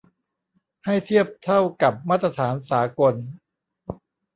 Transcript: ให้เทียบเท่ากับมาตรฐานสากล